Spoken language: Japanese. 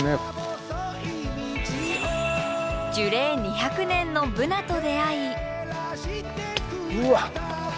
樹齢２００年のブナと出会い。